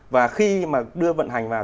và khi mà đưa vận hành vào